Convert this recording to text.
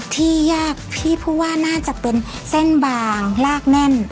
ที่ยากพี่พูดว่าน่าจะเป็นเส้นบางลากแน่น